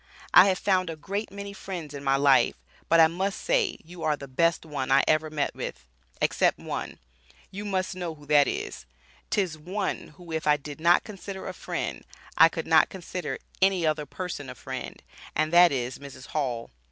I have found a great many friends in my life, but I must say you are the best one I ever met with, except one, you must know who that is, 'tis one who if I did not consider a friend, I could not consider any other person a friend, and that is Mrs. Hall.